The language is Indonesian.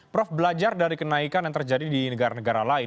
prof belajar dari kenaikan yang terjadi di negara negara lain